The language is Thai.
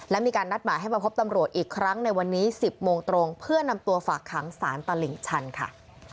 และมีการนัดหมายให้มาพบตำรวจอีกครั้งในวันนี้๑๐โมงตรงเพื่อนำตัวฝากขังสารตลิ่งชันค่ะ